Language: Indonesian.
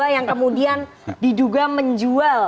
yang kemudian diduga menjual